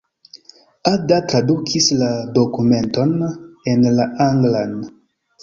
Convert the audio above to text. Ada tradukis la dokumenton en la anglan.